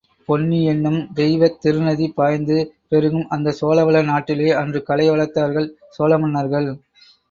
பொன்னியென்னும் தெய்வத் திருநதி பாய்ந்து பெருகும் அந்தச் சோழவள நாட்டிலே அன்று கலை வளர்த்தார்கள் சோழ மன்னர்கள்.